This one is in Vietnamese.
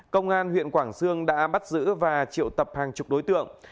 công an huyện quảng sương đã bắt giữ và triệu tập hàng chục đối tượng